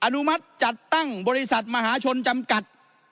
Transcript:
อนุมัติจัดตั้งบริษัทมหาชนจำกัด